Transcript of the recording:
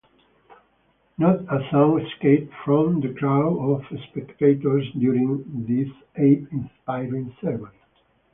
Not a sound escaped from the crowd of spectators during this awe-inspiring ceremony.